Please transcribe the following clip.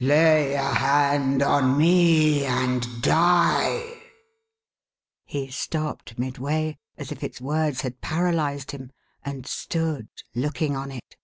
" Lay a hand on me, and die !" He stopped midway, as if its words had paralysed him, and stood looking on it.